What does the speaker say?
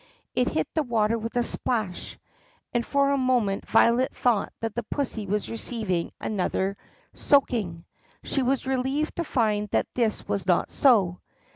It hit the water with a splash, and for a moment Violet thought that the pussy was receiving another soaking. She was relieved to find that this was not so.